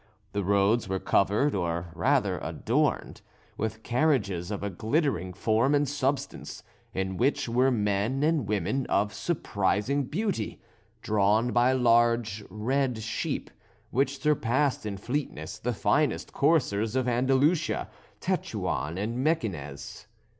The roads were covered, or rather adorned, with carriages of a glittering form and substance, in which were men and women of surprising beauty, drawn by large red sheep which surpassed in fleetness the finest coursers of Andalusia, Tetuan, and Mequinez.